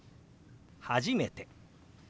「初めて」。